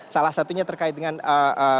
salah satunya terkait dengan ee